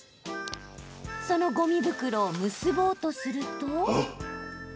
その、ごみ袋を結ぼうとすると。